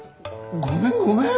ごめんごめん。